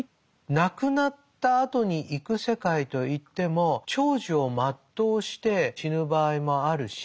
亡くなったあとに行く世界といっても長寿を全うして死ぬ場合もあるし